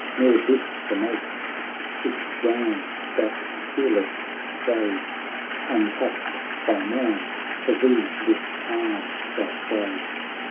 Nor this the most — six rams that fearless stray Untouched by man, for thee this arm shall slay.'